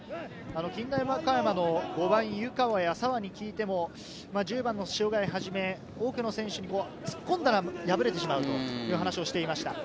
近大和歌山の湯川や澤に聞いても、１０番の塩貝をはじめ、多くの選手に突っ込んだら敗れてしまうという話をしていました。